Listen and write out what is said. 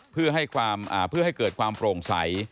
เพื่อให้เกิดความโปร่งใส